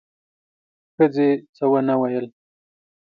ښځې څه ونه ویل: